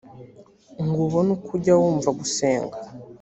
ngo ubone uko ujya wumva gusenga